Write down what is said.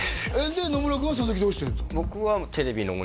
で野村君はその時どうしてるんですか？